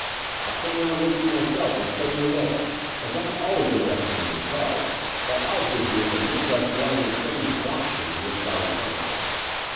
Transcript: "I'll come round with you myself and show you the way, as I'm always interested in big cars, while Osgood here can mix us one of his famous bronxes against our retvim."